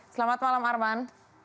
selamat malam arman